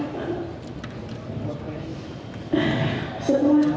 saya mulai berharap